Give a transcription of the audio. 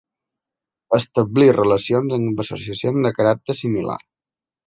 Establir relacions amb Associacions de caràcter similar.